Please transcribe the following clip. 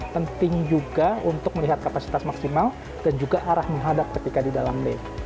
penting juga untuk melihat kapasitas maksimal dan juga arah menghadap ketika di dalam lift